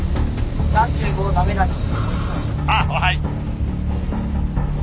あっはい。